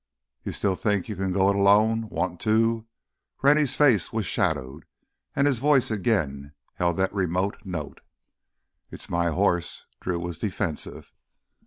"You still think you can go it alone—want to?" Rennie's face was shadowed, and his voice again held that remote note. "It's my horse." Drew was defensive.